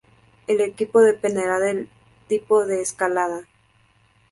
El equipo dependerá del tipo de escalada.